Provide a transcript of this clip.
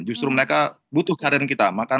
justru mereka butuh kehadiran kita